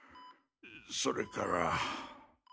それから。